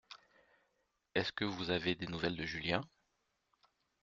Est-ce que vous avez des nouvelles de Julien?